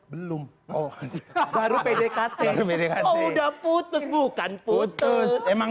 belum oh baru pdkt udah putus bukan